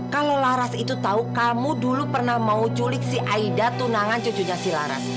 kalau laras itu tahu kamu dulu pernah mau culik si aida tunangan cucunya si laras